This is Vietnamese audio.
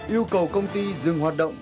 yêu cầu công ty dừng hoạt động